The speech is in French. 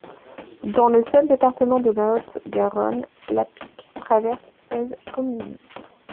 Dans le seul département de la Haute-Garonne, la Pique traverse seize communes.